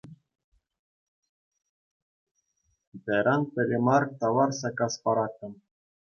Китайран пӗрре мар тавар саккас параттӑм.